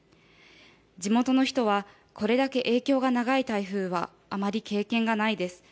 地元の人は、これだけ影響が長い台風はあまり経験がないです。